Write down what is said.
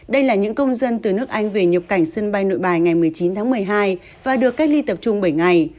đây là những công dân từ nước anh về nhập cảnh sân bay nội bài ngày một mươi chín tháng một mươi hai và được cách ly tập trung bảy ngày